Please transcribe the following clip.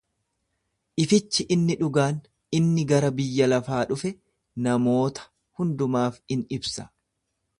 Ifichi inni dhugaan, inni gara biyya lafaa dhufe, namoota hundumaaf in ibsa.